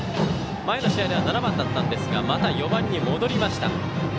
前の試合では７番だったんですがまた４番に戻りました。